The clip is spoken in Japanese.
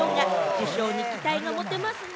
受賞にも期待が持てますね。